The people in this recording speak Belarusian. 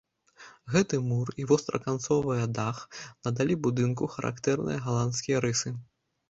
Гэты мур і востраканцовая дах надалі будынку характэрныя галандскія рысы.